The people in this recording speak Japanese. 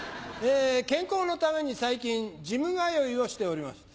健康のために最近ジム通いをしております。